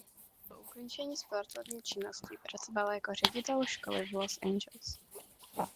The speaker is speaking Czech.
Po ukončení sportovní činnosti pracoval jako ředitel školy v Los Angeles.